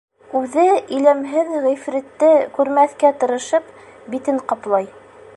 Үҙе, иләмһеҙ ғифритте күрмәҫкә тырышып, битен ҡаплай.